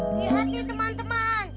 lihat nih teman teman